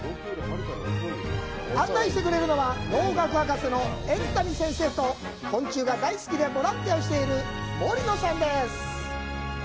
案内してくれるのは、農学博士の円谷先生と、昆虫が大好きで、ボランティアをしている森野さんです。